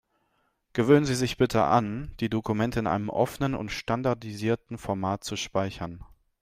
Gewöhnen Sie sich bitte an, die Dokumente in einem offenen und standardisierten Format zu speichern.